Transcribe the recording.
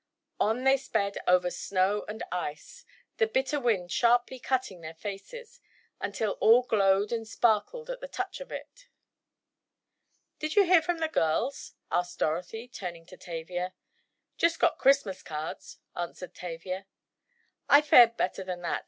On they sped over snow and ice, the bitter wind sharply cutting their faces, until all glowed and sparkled at the touch of it. "Did you hear from the girls?" asked Dorothy, turning to Tavia. "Just got Christmas cards," answered Tavia. "I fared better than that.